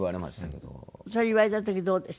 それ言われた時どうでしたか？